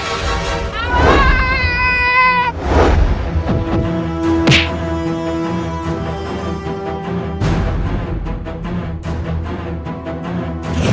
oke nyla kita berdua kata sekarang saja